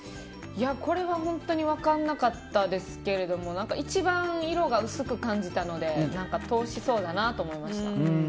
これは本当に分からなかったですけれども一番、色が薄く感じたので通しそうだなと思いました。